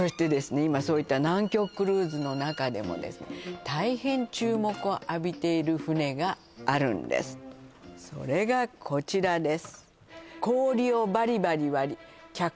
今そういった南極クルーズのなかでもですね大変注目を浴びている船があるんですそれがこちらです